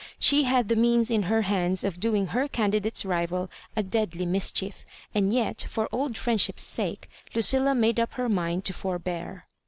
She had the means in her hands of doing her candidate's riyal a deadly mischief^ and yet, for old friendship's sake, LucOla made up her mind to forbear.